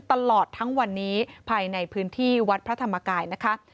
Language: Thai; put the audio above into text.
ตลอดทั้งวันนี้ภายในพื้นที่วัดพระธรรมกายนะคะ